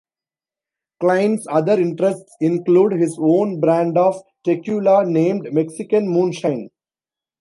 Clyne's other interests include his own brand of tequila, named Mexican Moonshine.